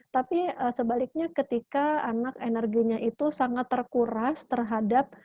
tapi sebaliknya ketika anak energinya itu sangat terkuras terhadap